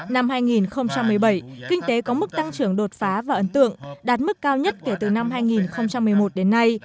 năm hai nghìn một mươi bảy kinh tế có mức tăng trưởng đột phá và ấn tượng đạt mức cao nhất kể từ năm hai nghìn một mươi một đến nay